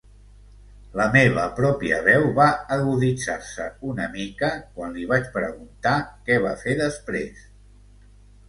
La meva pròpia veu va aguditzar-se una mica quan li vaig preguntar què va fer després.